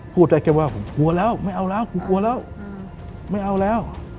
พูดแสวมว่าผมกลัวแล้วไม่เอาแล้วมันกลัวแล้ว